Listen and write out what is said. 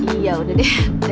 iya udah deh